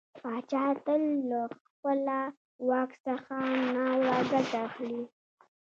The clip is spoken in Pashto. پاچا تل له خپله واک څخه ناوړه ګټه اخلي .